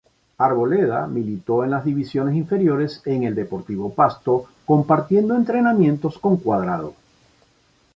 Arboleda militó en las divisiones inferiores en el Deportivo Pasto Compartiendo entrenamientos con Cuadrado.